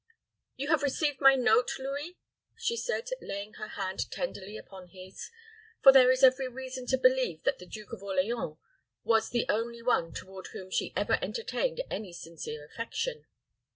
"You have received my note, Louis?" she said, laying her hand tenderly upon his; for there is every reason to believe that the Duke of Orleans was the only one toward whom she ever entertained any sincere affection.